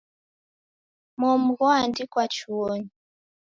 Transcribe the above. Momu ghoandikwa chuonyi.